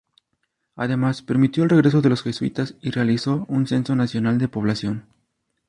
Además, permitió el regreso de los jesuitas y realizó un censo nacional de población.